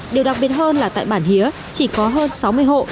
điều đặc biệt hơn là tại bản hía chỉ có hơn sáu mươi hộ